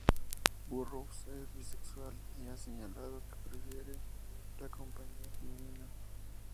Burrows es bisexual y ha señalado que "prefiere la compañía femenina".